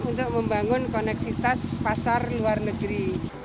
untuk membangun koneksitas pasar luar negeri